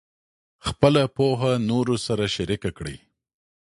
خپله پوهه نورو سره شریکه کړئ.